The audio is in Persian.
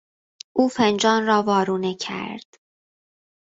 او فنجان را وارونه کرد.